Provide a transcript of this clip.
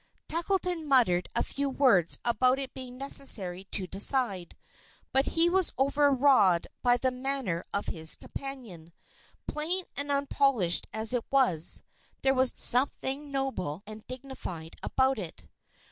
Tackleton muttered a few words about its being necessary to decide, but he was overawed by the manner of his companion. Plain and unpolished as it was, there was something noble and dignified about it.